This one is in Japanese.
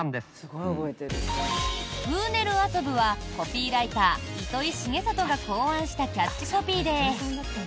「くうねるあそぶ。」はコピーライター、糸井重里が考案したキャッチコピーで。